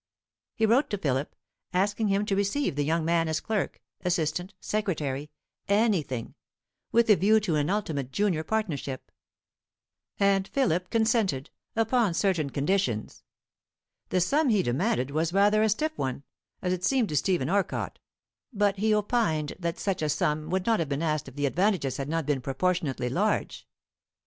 He wrote to Philip, asking him to receive the young man as clerk, assistant, secretary anything, with a view to an ultimate junior partnership; and Philip consented, upon certain conditions. The sum he demanded was rather a stiff one, as it seemed to Stephen Orcott, but he opined that such a sum would not have been asked if the advantages had not been proportionately large.